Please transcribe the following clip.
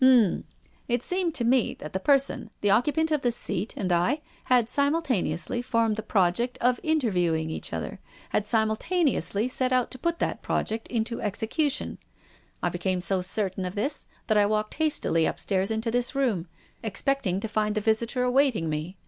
" H'm ! It seemed to me that the person — the occupant of the .scat — and I, had simulta neously formed the project of interviewing each 288 TONGUES OF CONSCIENCE. other, had simultaneously set out to put that project into execution. I became so certain of this that I walked hastily upstairs into this room, excepting to find the visitor awaiting me.